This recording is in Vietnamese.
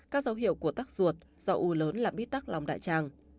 các dấu hiệu của tắc ruột do u lớn làm bít tắc lòng đại tràng